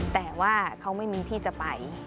แต่ว่าเขาไม่มีที่จะไป